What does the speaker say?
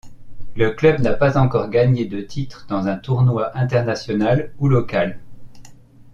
Le club n'a pas encore gagné de titre dans un tournoi international ou local.